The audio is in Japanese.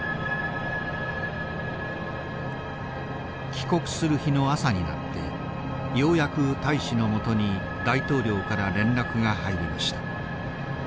帰国する日の朝になってようやく大使のもとに大統領から連絡が入りました。